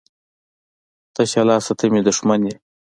تشه لاسه ته مي دښمن يي.